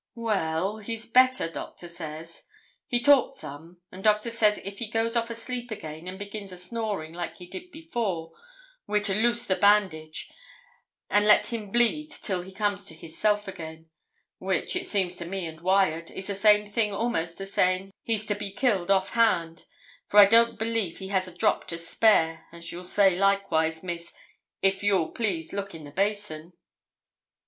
'Well, he's better, doctor says; he talked some, and doctor says if he goes off asleep again, and begins a snoring like he did before, we're to loose the bandage, and let him bleed till he comes to his self again; which, it seems to me and Wyat, is the same thing a'most as saying he's to be killed off hand, for I don't believe he has a drop to spare, as you'll say likewise, Miss, if you'll please look in the basin.'